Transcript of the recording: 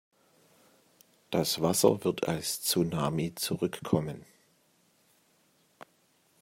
Das Wasser wird als Tsunami zurückkommen.